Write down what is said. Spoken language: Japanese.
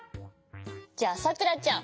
じゃあさくらちゃん